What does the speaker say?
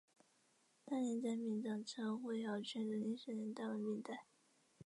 大岭寨明长城灰窑群的历史年代为明代。